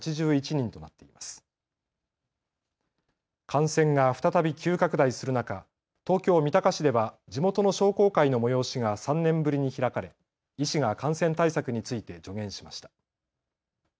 感染が再び急拡大する中、東京三鷹市では地元の商工会の催しが３年ぶりに開かれ、医師が感染対策について助言しました。